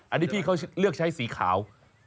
อันนี้พี่เขาเลือกใช้สีขาว